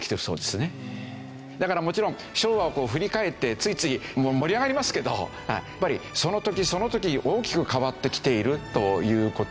だからもちろん昭和を振り返ってついつい盛り上がりますけどやっぱりその時その時大きく変わってきているという事ですよね。